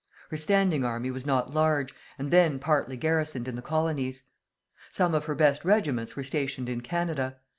Her standing army was not large, and then partly garrisoned in the colonies. Some of her best regiments were stationed in Canada.